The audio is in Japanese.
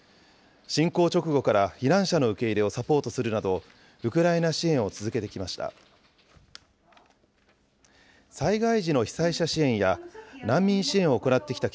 侵攻直後から避難者の受け入れをサポートするなど、ウクライナ支援を続けてきました。